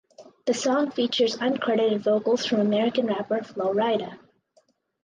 The song features uncredited vocals from American rapper Flo Rida.